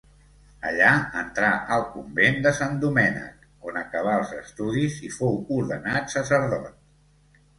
Allà entrà al convent de Sant Domènec, on acabà els estudis i fou ordenat sacerdot.